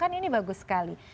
kan ini bagus sekali